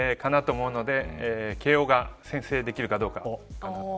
思うので慶応が先制できるかどうか。